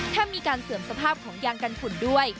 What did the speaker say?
ถ้ามีการเสื่อมสภาพของยางกันฝุ่นด้วย